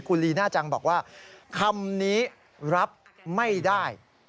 คุณลีน่าจังบอกว่าคำนี้รับไม่ได้